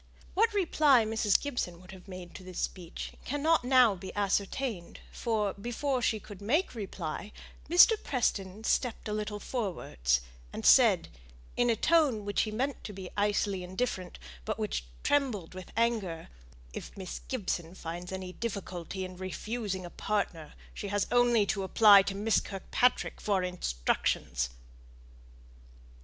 What reply Mrs. Gibson would have made to this speech cannot now be ascertained; for, before she could answer, Mr. Preston stepped a little forwards, and said, in a tone which he meant to be icily indifferent, but which trembled with anger, "If Miss Gibson finds any difficulty in refusing a partner, she has only to apply to Miss Kirkpatrick for instructions."